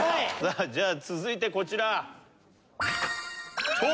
じゃあ続いてこちら。